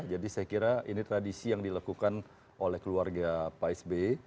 jadi saya kira ini tradisi yang dilakukan oleh keluarga pak sbi